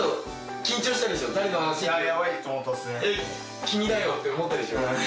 君だよって思ったでしょ。